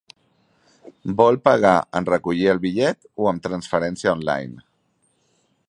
Vol pagar en recollir el bitllet o amb transferència online?